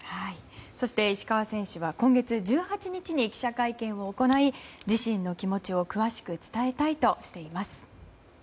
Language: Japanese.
そして石川選手は今月１８日に記者会見を行い自身の気持ちを詳しく伝えいたいとしています。